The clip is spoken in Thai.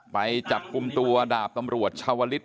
ไปจับกลุ่มตัวดาบตำรวจชาวลิศ